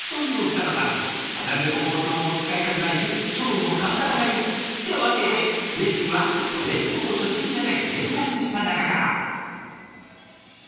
なるべく包丁も使いたくないし調理も簡単がいい！ってわけでレシピは「弁当初心者」で検索した中から。